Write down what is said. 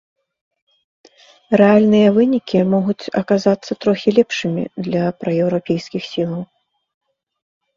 Рэальныя вынікі могуць аказацца трохі лепшымі для праеўрапейскіх сілаў.